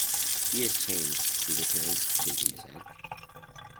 "He is changed," he returned, shaking his head.